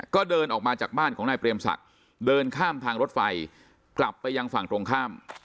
ก็เดินออกมาจากบ้านของนายเปรมศักดิ์เดินข้ามทางรถไฟกลับไปยังฝั่งตรงข้าม